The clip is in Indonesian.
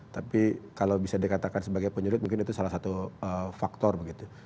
tapi kalau bisa dikatakan sebagai penyulut mungkin itu salah satu faktor begitu